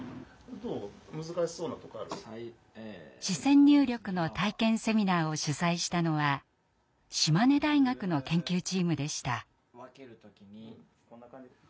視線入力の体験セミナーを主催したのは島根大学の研究チームでした。